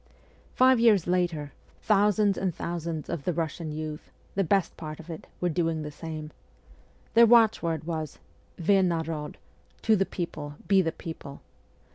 Five .years later, 90 MEMOIRS OF A. REVOLUTIONIST thousands and thousands of the Eussian youth the best part of it were doing the same. Their watch word was, ' V narod !' (To the people ; be the people.)